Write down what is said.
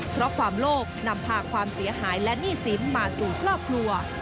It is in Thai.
เพราะความโลภนำพาความเสียหายและหนี้สินมาสู่ครอบครัว